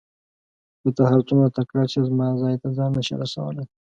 که ته هر څوره تکړه شې زما ځای ته ځان نه شې رسولای.